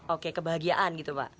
oke kebahagiaan gitu pak